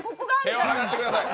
手を離してください。